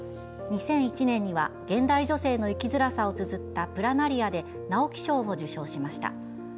２００１年には現代女性の生きづらさをつづった「プラナリア」で直木賞を受賞しました。